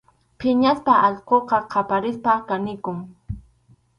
Phiñasqa allquqa qaparispam kanikun.